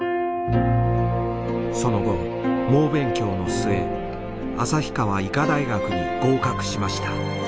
その後猛勉強の末旭川医科大学に合格しました。